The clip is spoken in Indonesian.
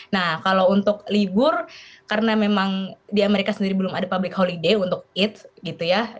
nah kalau untuk libur karena memang di amerika sendiri belum ada public holiday untuk eats gitu ya